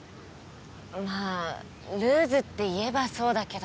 まあルーズって言えばそうだけど。